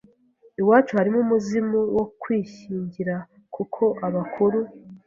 Iwacu harimo umuzimu wo kwishyingira kuko abakuru